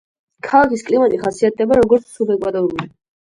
ქალაქის კლიმატი ხასიათდება, როგორც სუბეკვატორული.